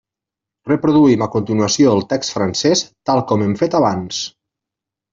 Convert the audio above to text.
Reproduïm a continuació el text francès, tal com hem fet abans.